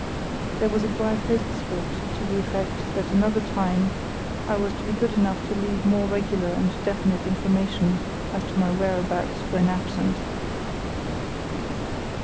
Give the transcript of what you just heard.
There was a dry postscript to the effect that another time I was to be good enough to leave more regular and definite information as to my whereabouts when absent.